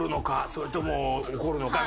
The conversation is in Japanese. それとも怒るのか？